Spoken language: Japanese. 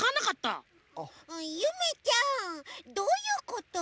ゆめちゃんどういうこと？